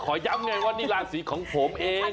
ย้ำไงว่านี่ราศีของผมเอง